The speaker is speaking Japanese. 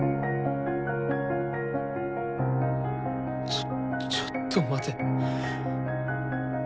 ちょちょっと待て。